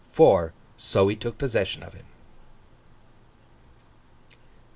For, so he took possession of him.